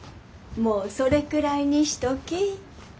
もうそれくらいにしとき。